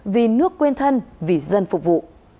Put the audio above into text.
vì nước quên thân vì dân phục vụ